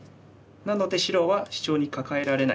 なので白はシチョウにカカえられない。